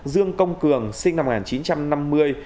dương công cường sinh năm một nghìn chín trăm năm mươi